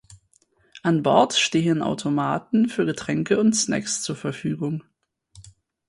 An Bord stehen Automaten für Getränke und Snacks zur Verfügung.